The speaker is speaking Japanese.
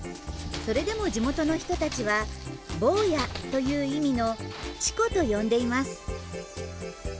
それでも地元の人たちは「坊や」という意味の「チコ」と呼んでいます。